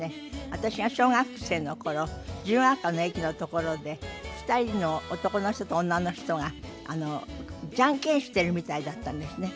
私が小学生の頃自由が丘の駅のところで２人の男の人と女の人がジャンケンしているみたいだったんですね。